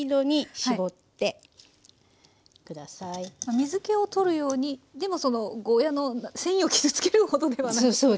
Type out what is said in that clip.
水けを取るようにでもそのゴーヤーの繊維を傷つけるほどではなくという。